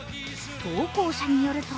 投稿者によると